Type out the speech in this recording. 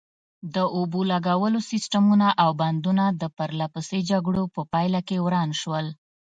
د اوبو لګولو سیسټمونه او بندونه د پرلپسې جګړو په پایله کې وران شول.